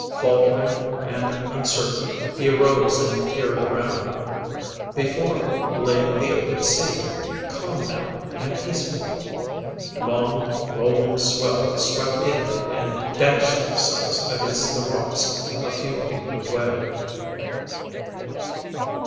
Faltering and uncertain, he arose and peered around. Before, lay the open sea, calm now, and peaceful. Long, rolling swell swept in and dashed themselves against the rocks a few feet away.